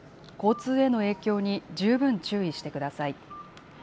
交通への影響に十分注意してください。